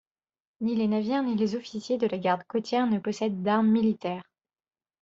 Ni les navires ni les officiers de la Garde côtière ne possèdent d’armes militaires.